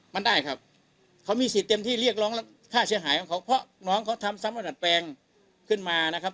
มันได้ครับเขามีสิทธิ์เต็มที่เรียกร้องค่าเสียหายของเขาเพราะน้องเขาทำซ้ำมาดัดแปลงขึ้นมานะครับ